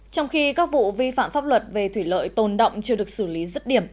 trong khi các vụ vi phạm pháp luật về thủy lợi tồn động chưa được xử lý rứt điểm